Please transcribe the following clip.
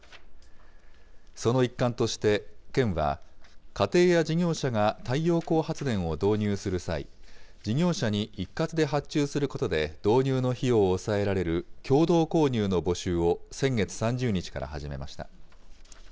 その一環として県は、家庭や事業者が太陽光発電を導入する際、事業者に一括で発注することで、導入の費用を抑えられる共同購入の募集を先月３０日から始めました。